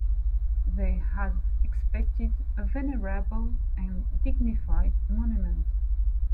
They had expected a venerable and dignified monument.